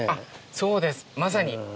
そうですまさに。